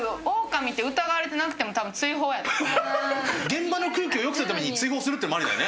ナダル現場の空気を良くするために追放するっていうのもありだよね。